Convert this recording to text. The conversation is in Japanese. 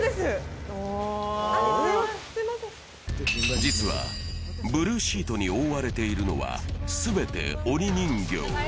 実はブルーシートに覆われているのは、全て鬼人形。